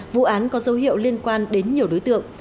vụ án có dấu hiệu liên quan đến nhiều đối tượng